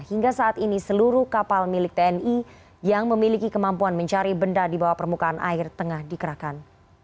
hingga saat ini seluruh kapal milik tni yang memiliki kemampuan mencari benda di bawah permukaan air tengah dikerahkan